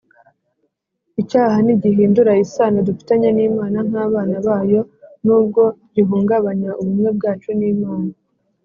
Icyaha ntigihindura isano dufitanye n'Imana nk'abana bayo n'ubwo gihungabanya ubumwe bwacu n'Imana,